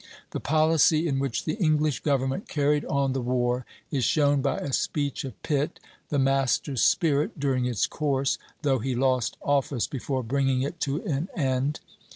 The policy in which the English government carried on the war is shown by a speech of Pitt, the master spirit during its course, though he lost office before bringing it to an end.